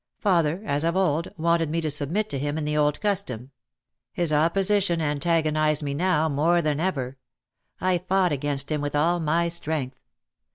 Father, as of old, wanted me to submit to him in the old custom. His opposition antagonised me now more than ever. I fought against him with all my strength.